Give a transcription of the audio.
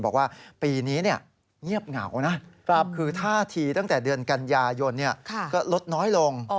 บอกว่าปีนี้เงียบเหงานะคือท่าทีตั้งแต่เดือนกันยายนก็ลดน้อยลง